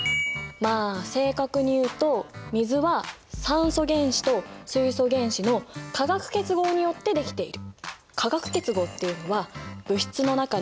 まあ正確に言うと水は酸素原子と水素原子の化学結合によってできている。